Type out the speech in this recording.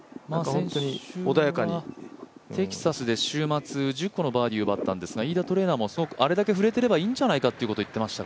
先週はテキサスで１０個のバーディーをとったんですが飯田トレーナーもあれだけ振れてればいいんじゃないかと言っていました。